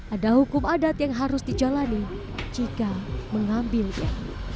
ada hukum adat yang harus dijalani jika mengambilnya